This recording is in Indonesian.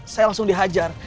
saya langsung dihajar